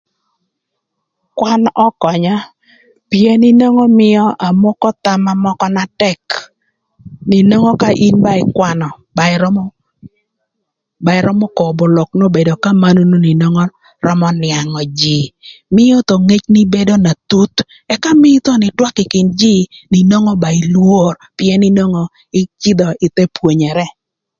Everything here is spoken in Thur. Kwan ökönya pïën inwongo mïö amoko thama mökö na tëk na nwongo ka ïn ba ïkwanö ba ïrömö ba ïrömö kobo lok n'obedo kömanön na nwongo römö nïangö jïï mïö thon ngec nï bedo na thuth ëka mii thon ïtwak ï kin jïï na nwongo ba ilwor pïën nwongo ïcïdhö ï thë pwonyere.